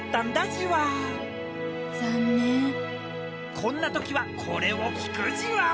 こんな時はこれを聴くじわ。